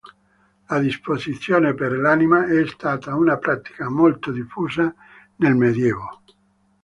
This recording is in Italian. La disposizione per l'anima, è stata una pratica molto diffusa nel medioevo.